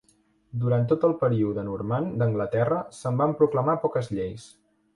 Durant tot el període normand d'Anglaterra se'n van proclamar poques lleis.